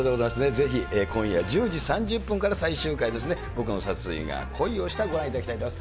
ぜひ、今夜１０時３０分から最終回ですね、ボクの殺意が恋をした、ご覧いただきたいと思います。